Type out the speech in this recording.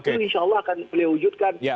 itu insya allah akan beliau wujudkan